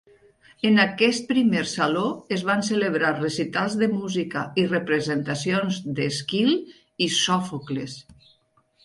En aquest primer Saló es van celebrar recitals de música i representacions d'Èsquil i Sòfocles.